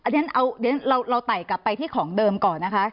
เดี๋ยวเราไต่กลับไปที่ของเดิมก่อนนะคะ